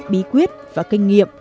bí quyết và kinh nghiệm